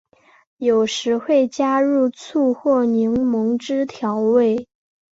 有时会加入醋或柠檬汁调味。